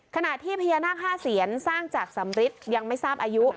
ขณะที่พญานาค๕เสียนสร้างจากสำริทยังไม่ทราบอายุ